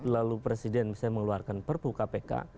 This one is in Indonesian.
lalu presiden bisa mengeluarkan perpu kpk